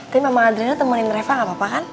tapi mama adriana temenin reva gak apa apa kan